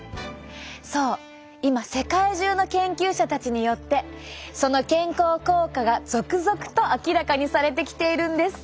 そう今世界中の研究者たちによってその健康効果が続々と明らかにされてきているんです。